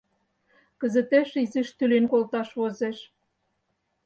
— Кызытеш изиш тӱлен колташ возеш...